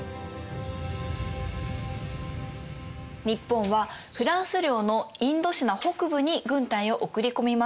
日本はフランス領のインドシナ北部に軍隊を送り込みます。